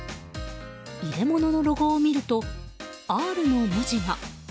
入れ物のロゴを見ると「Ｒ」の文字が。